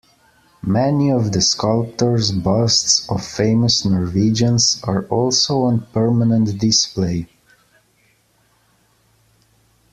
Many of the sculptor's busts of famous Norwegians are also on permanent display.